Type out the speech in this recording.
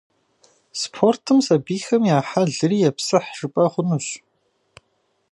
Спортым сабийхэм я хьэлри епсыхь жыпӀэ хъунущ.